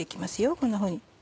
こんなふうに。